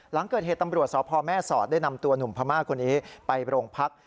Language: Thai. หลังเกิดเหตุตำรวจสพแม่สอดได้นำตัวหนุ่มพม่าคนนี้ไปโรงพัก